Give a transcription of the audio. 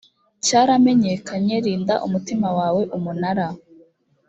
cyaramenyekanye rinda umutima wawe umunara